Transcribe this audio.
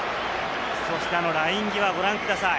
ライン際、ご覧ください。